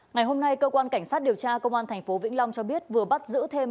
ngày hôm nay cơ quan cảnh sát điều tra công an tp vĩnh long cho biết vừa bắt giữ thêm